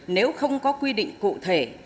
nếu không có quy định cụ thể